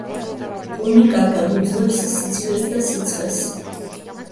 პუმი კარგად უძლებს სიცივეს და სიცხეს.